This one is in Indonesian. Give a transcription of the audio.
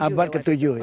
abad ketujuh ya